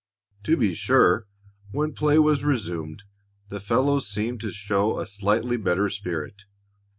To be sure, when play was resumed, the fellows seemed to show a slightly better spirit.